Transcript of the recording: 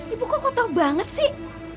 ibu kota kotor banget sih